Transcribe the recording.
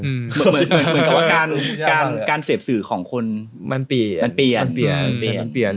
เหมือนการเสพสื่อของคนมันเปลี่ยน